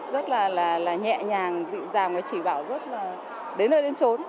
rất là nhẹ nhàng dịu dàng và chỉ bảo rất là đến nơi đến trốn